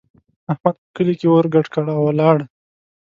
احمد په کلي کې اور ګډ کړ او ولاړ.